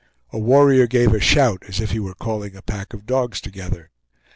A warrior gave a shout as if he were calling a pack of dogs together.